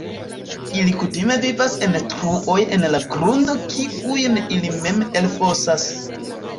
Ili kutime vivas en truoj en la grundo kiujn ili mem elfosas.